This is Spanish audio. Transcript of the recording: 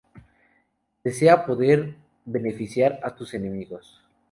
Desea poder beneficiar a tus enemigos.